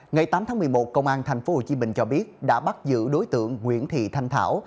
ngày tám tháng một mươi một công an thành phố hồ chí minh cho biết đã bắt giữ đối tượng nguyễn thị thanh thảo